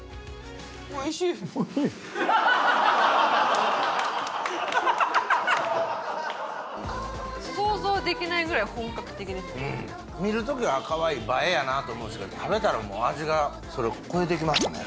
美味しい想像できないぐらい本格的です見るときはかわいい映えやなと思うんですけど食べたらもう味がそれを超えてきますね